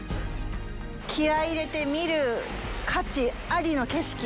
気合い入れて見る価値ありの景色。